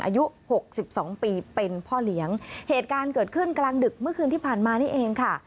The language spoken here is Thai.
อายุหกสิบสองปีเป็นพ่อเลี้ยงเหตุการณ์เกิดขึ้นกลางดึกเมื่อคืนที่ผ่านมานี่เองค่ะ